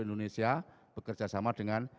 indonesia bekerjasama dengan